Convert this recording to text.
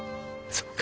そうか。